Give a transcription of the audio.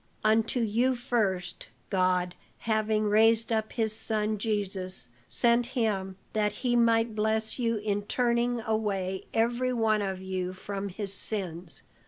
Unto you first, God, having raised up his son Jesus, sent him, that he might bless you in turning away every one of you from his sins."